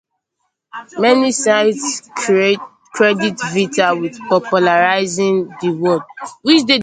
Many sites credit Vita with popularizing the word.